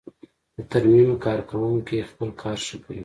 د ترمیم کارکوونکی خپل کار ښه کوي.